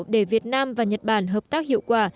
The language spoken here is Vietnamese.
để việt nam và nhật bản hợp tác hiệu quả